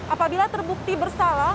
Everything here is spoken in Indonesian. apabila terbukti bersalah